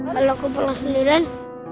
kalau aku pulang sendirian